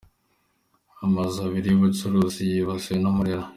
Amazu abiri y’ubucuruzi yibasiwe n’umuriro